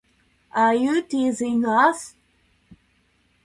Are you teasing us?